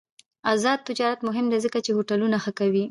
آزاد تجارت مهم دی ځکه چې هوټلونه ښه کوي.